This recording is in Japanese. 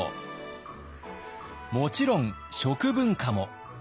もちろん食文化も。